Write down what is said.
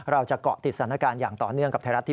เราจะเกาะติดสถานการณ์อย่างต่อเนื่องกับไทยรัฐทีว